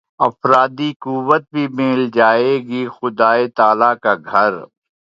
افرادی قوت بھی مل جائے گی خدائے تعالیٰ کا گھر